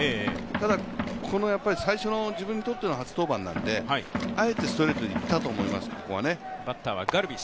ただ、最初の自分にとっての初登板なのであえてストレートでいったと思います、ここはね。